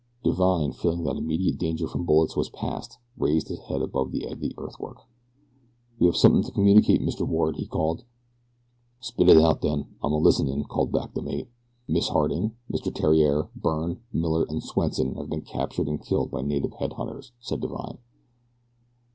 Divine, feeling that immediate danger from bullets was past, raised his head above the edge of the earthwork. "We have something to communicate, Mr. Ward," he called. "Spit it out, then; I'm a listenin'," called back the mate. "Miss Harding, Mr. Theriere, Byrne, Miller, and Swenson have been captured and killed by native head hunters," said Divine.